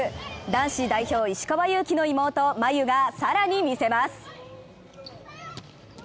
男子代表、石川祐希の妹・真佑が更に見せます。